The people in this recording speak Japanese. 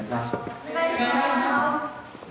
お願いします。